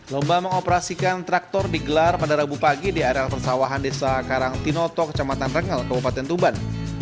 lomba mengoperasikan traktor digelar pada rabu pagi di areal persawahan desa karangtinoto kecamatan rengel kabupaten tuban